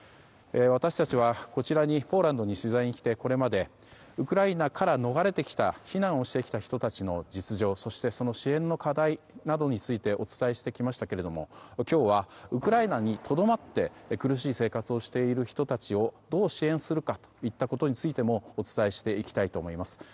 私たちはポーランドに取材に来てこれまでウクライナから逃れてきた避難をしてきた人の実情、そして支援の課題などについてお伝えしてきましたけれども今日はウクライナにとどまって苦しい生活をしている人をどう支援するかといったことについてもお伝えしていきたいと思います。